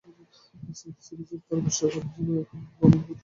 সিরিজের ধারাভাষ্য চলাকালে এক পর্যায়ে ব্লু মুন গান পরিবেশন করেছিলেন তিনি।